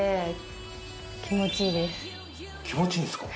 気持ちいいんですか？